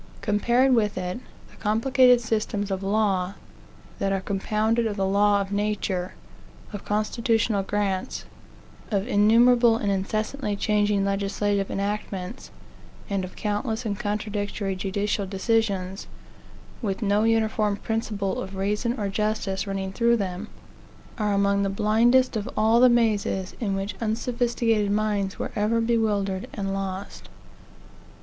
Compared with it, the complicated systems of law that are compounded of the law of nature, of constitutional grants, of innumerable and incessantly changing legislative enactments, and of countless and contradictory judicial decisions, with no uniform principle of reason or justice running through them, are among the blindest of all the mazes in which unsophisticated minds were ever bewildered and lost.